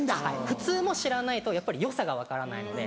普通も知らないとやっぱりよさが分からないので。